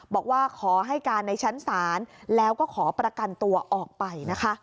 บอกว่าขอให้การในชั้นศาลแล้วก็ขอประกันตัวออกไปนะคะ